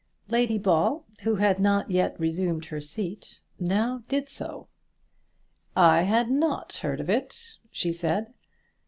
Lady Ball, who had not yet resumed her seat, now did so. "I had not heard of it," she said.